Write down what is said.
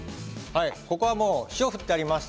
ここは、もう塩を振っています。